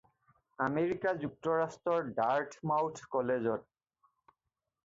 আমেৰিক যুক্তৰাষ্ট্ৰৰ ডাৰ্থমাউথ কলেজত।